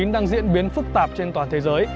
đang diễn biến phức tạp trên toàn thế giới